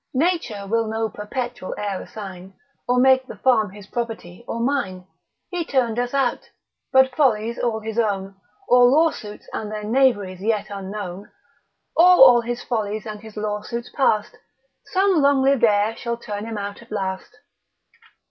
Nature will no perpetual heir assign, Or make the farm his property or mine. He turn'd us out: but follies all his own, Or lawsuits and their knaveries yet unknown, Or, all his follies and his lawsuits past, Some long liv'd heir shall turn him out at last.